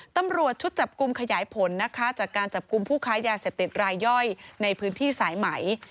ตำรวจชุดจับกลุ่มขยายผลนะคะจากการจับกลุ่มผู้ค้ายาเสพติดรายย่อยในพื้นที่สายไหม